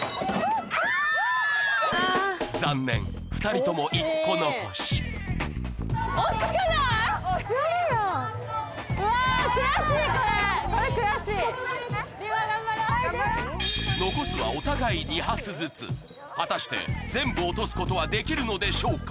残念２人とも１個残し残すはお互い２発ずつ果たして全部落とすことはできるのでしょうか？